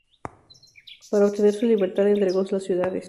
Para obtener su libertad, entregó las ciudades.